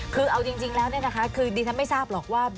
คือเอาจริงแล้วเนี่ยนะคะคือดิฉันไม่ทราบหรอกว่า